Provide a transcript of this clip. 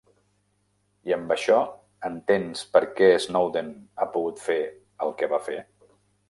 I amb això entens per què Snowden ha pogut fer el que va fer?